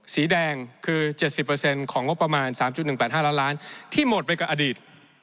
สีแดงคือ๗๐ของงบประมาณ๓๑๘๕ล้านล้านที่หมดไปกับอดีต